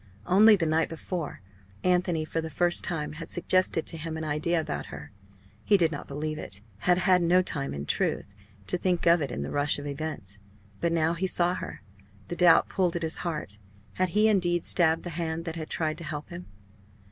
Only the night before, Anthony for the first time had suggested to him an idea about her. He did not believe it had had no time in truth to think of it in the rush of events. But now he saw her, the doubt pulled at his heart. Had he indeed stabbed the hand that had tried to help him?